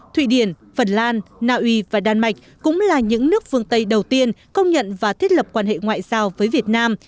thụy điển phần lan naui và đan mạch cũng là những nước phương tây đầu tiên công nhận và thiết lập quan hệ ngoại giao với việt nam